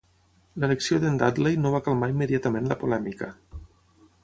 L'elecció d"en Dudley no va calmar immediatament la polèmica.